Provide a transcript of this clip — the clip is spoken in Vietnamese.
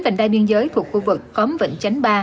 vành đai biên giới thuộc khu vực khóm vĩnh chánh ba